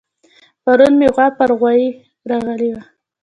پرون مې غوا پر غوايه راغلې وه